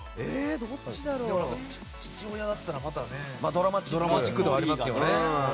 父親だったらまたドラマチックではありますね。